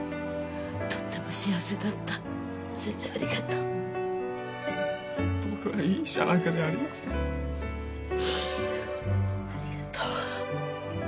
とっても幸せだった先生ありがとう僕はいい医者なんかじゃありませんありがとう